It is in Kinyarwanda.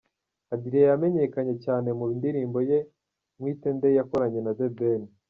Adrien yamenyekanye cyane mu ndirimbo ye Nkwite nde yakoranye na The Ben.